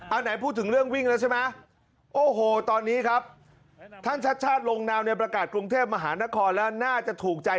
อาหารายพูดถึงเรื่องวิ่งแล้วใช่มั้ย